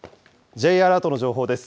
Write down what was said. Ｊアラートの情報です。